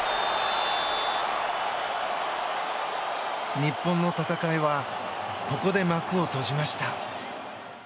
日本の戦いはここで幕を閉じました。